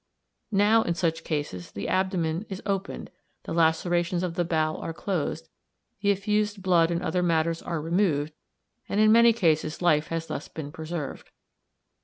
Now in such cases the abdomen is opened, the lacerations of the bowel are closed, the effused blood and other matters are removed, and in many cases life has thus been preserved.